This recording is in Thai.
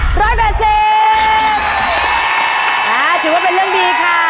ถือว่าเป็นเรื่องดีค่ะ